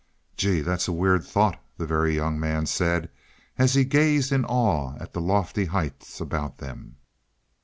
"Gee, that's a weird thought," the Very Young Man said, as he gazed in awe at the lofty heights about them.